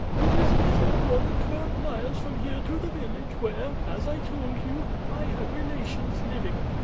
It is a little more than twelve miles from here to the village where, as I told you, I have relations living.